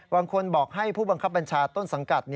บางคนบอกให้ผู้บังคับบัญชาต้นสังกัด